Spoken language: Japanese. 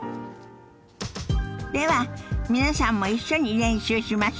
では皆さんも一緒に練習しましょ。